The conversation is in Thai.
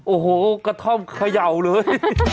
โอ้โหกระท่อมเขย่าเลย